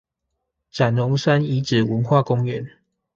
斬龍山遺址文化公園